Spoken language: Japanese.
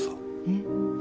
えっ？